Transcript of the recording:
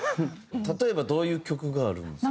例えばどういう曲があるんですか？